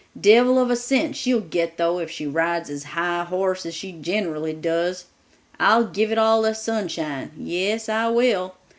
Devil of a cent she'll get though if she rides as high a horse as she generally does! I'll give it all to 'Sunshine'; yes, I will.